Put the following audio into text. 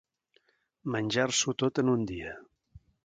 Menjar-s'ho tot en un dia.